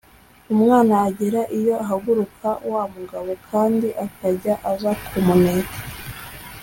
umwana agera iyo ahaguruka; wa mugabo kandi akajya aza kumuneka